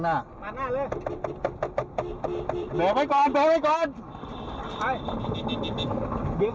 หมายไม่ได้แล้วผลวิ่งแล้วถ่ายโดตออีกแล้ว